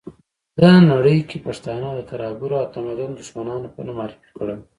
ده نړۍ کې پښتانه د ترهګرو او تمدن دښمنانو په نوم معرفي کړل.